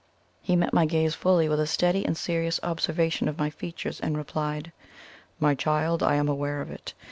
He met my gaze fully, with a steady and serious observation of my features, and replied: "My child, I am aware of it.